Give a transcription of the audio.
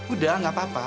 udah nggak apa apa